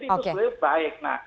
jadi itu baik